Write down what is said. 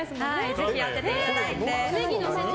ぜひ当てていただいて。